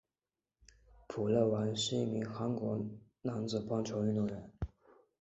朴勍完是一名韩国男子棒球运动员。